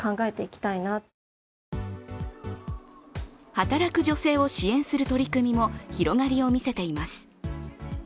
働く女性を支援する取り組みも広がりを見せています。